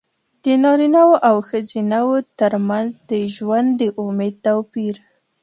د نارینه وو او ښځینه وو ترمنځ د ژوند د امید توپیر.